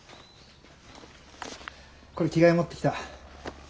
これ着替え持ってきた。